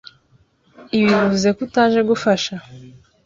Ibi bivuze ko utaje gufasha?